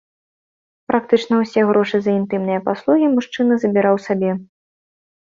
Практычна ўсе грошы за інтымныя паслугі мужчына забіраў сабе.